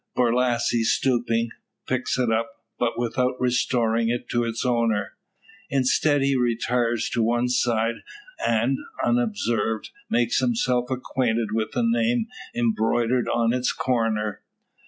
Borlasse stooping, picks it up, but without restoring it to its owner. Instead, he retires to one side; and, unobserved, makes himself acquainted with a name embroidered on its corner.